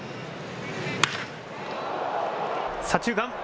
左中間。